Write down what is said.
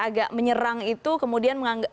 agak menyerang itu kemudian